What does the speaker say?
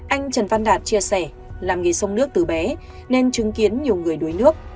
anh trần văn đạt chia sẻ làm nghề sông nước từ bé nên chứng kiến nhiều người đuối nước